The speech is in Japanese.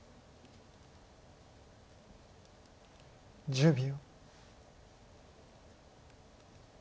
１０秒。